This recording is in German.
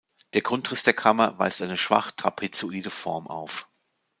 Der Grundriss der Kammer weist eine schwach trapezoide Form auf.